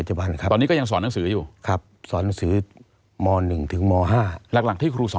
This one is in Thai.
อยู่ที่ตำบลห้วยต้อนอำเภอเมืองจังหวัดชายภูมิ